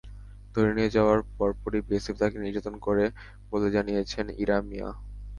ধরে নিয়ে যাওয়ার পরপরই বিএসএফ তাঁকে নির্যাতন করে বলে জানিয়েছেন ইরা মিয়া।